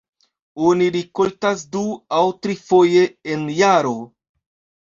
Oni rikoltas du aŭ trifoje en jaro.